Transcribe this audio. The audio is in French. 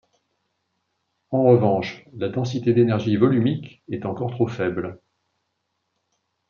En revanche, la densité d’énergie volumique est encore trop faible.